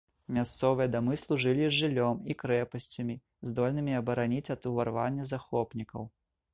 Мясцовыя дамы служылі і жыллём, і крэпасцямі, здольнымі абараніць ад уварвання захопнікаў.